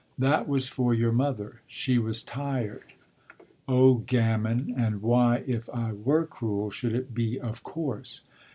"That was for your mother; she was tired." "Oh gammon! And why, if I were cruel, should it be of course?"